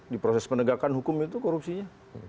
di proses penegakan hukum itu korupsinya